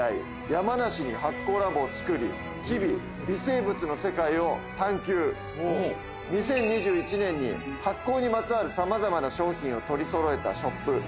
山梨に発酵ラボを作り日々微生物の世界を探求２０２１年に発酵にまつわるさまざまな商品を取りそろえたショップ